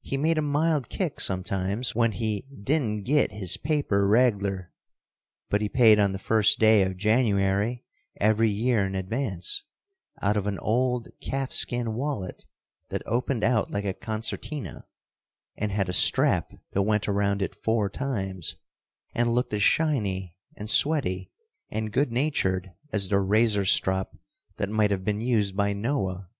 He made a mild kick sometimes when he "didn't git his paper reggler;" but he paid on the first day of January every year in advance, out of an old calfskin wallet that opened out like a concertina, and had a strap that went around it four times, and looked as shiny, and sweaty, and good natured as the razor strop that might have been used by Noah.